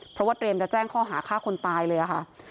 เพราะว่าเตรียมจะแจ้งข้อหาฆ่าคนตายเลยค่ะ